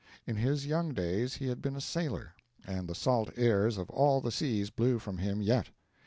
In his young days he had been a sailor, and the salt airs of all the seas blew from him yet.